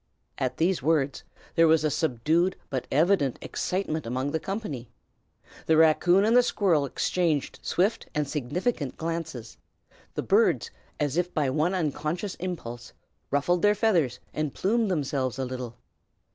At these words there was a subdued but evident excitement among the company. The raccoon and the squirrel exchanged swift and significant glances; the birds, as if by one unconscious impulse, ruffled their feathers and plumed themselves a little.